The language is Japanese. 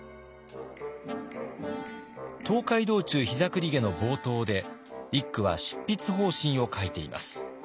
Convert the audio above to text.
「東海道中膝栗毛」の冒頭で一九は執筆方針を書いています。